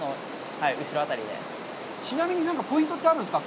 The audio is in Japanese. ちなみに、何かポイントってあるんですか。